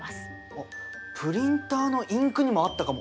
あっプリンターのインクにもあったかも。